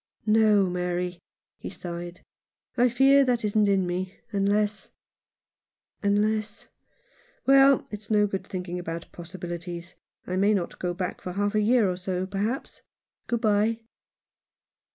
" No, Mary," he sighed, " I fear that isn't in me — unless — unless Well, it's no good thinking about possibilities. I may not go back for half a year or so, perhaps. Good bye."